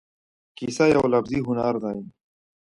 کیسه یو لفظي هنر دی.